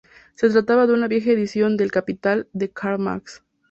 Se trataba de una vieja edición de "El Capital", de Karl Marx.